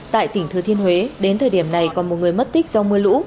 tại tỉnh thừa thiên huế đến thời điểm này còn một người mất tích do mưa lũ